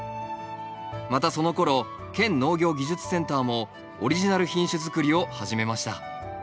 またそのころ県農業技術センターもオリジナル品種づくりを始めました。